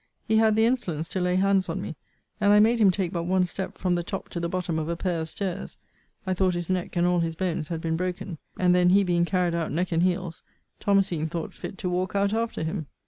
He had the insolence to lay hands on me: and I made him take but one step from the top to the bottom of a pair of stairs. I thought his neck and all his bones had been broken. And then, he being carried out neck and heels, Thomasine thought fit to walk out after him.